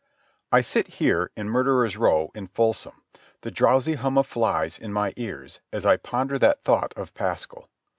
I sit here in Murderers' Row in Folsom, the drowsy hum of flies in my ears as I ponder that thought of Pascal.